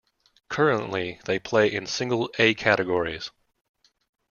Currently, they play in single "A" categories.